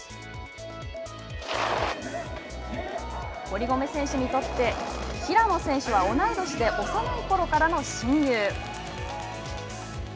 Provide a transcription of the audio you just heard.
堀米選手にとって平野選手は同い年で幼いころの親友。